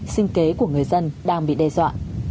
sinh kế của người dân đang bị đe dọa